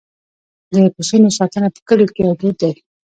د پسونو ساتنه په کلیو کې یو دود دی.